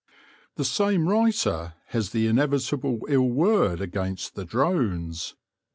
The same writer has the inevitable ill word against the drones.